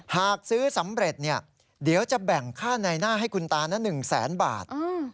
หากซื้อสำเร็จเดี๋ยวจะแบ่งค่าในหน้าให้คุณตานะ๑แสนบาท